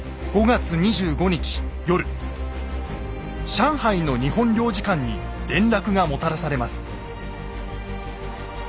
上海の日本領事館に連絡がもたらされます。